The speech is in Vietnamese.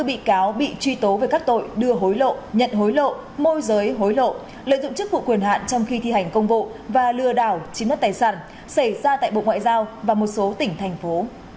năm bị cáo bị truy tố về các tội đưa hối lộ nhận hối lộ môi giới hối lộ lợi dụng chức vụ quyền hạn trong khi thi hành công vụ và lừa đảo chiếm đất tài sản xảy ra tại bộ ngoại giao và một số tỉnh thành phố